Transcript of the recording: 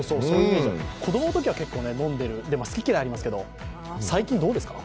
子供のときは結構飲んでる好き嫌いありますが、最近どうですか？